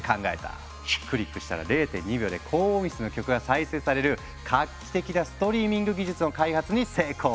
クリックしたら０．２秒で高音質の曲が再生される画期的なストリーミング技術の開発に成功！